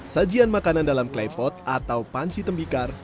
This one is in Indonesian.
sajian makanan dalam klepot atau panci tembikar